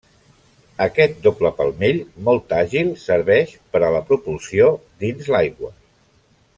Aquest doble palmell, molt àgil, serveix per a la propulsió dins l'aigua.